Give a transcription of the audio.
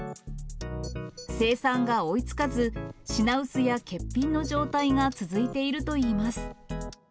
生産が追いつかず、品薄や欠品の状態が続いているといいます。